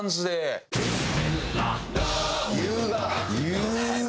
優雅！